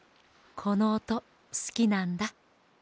このおとすきなんだ。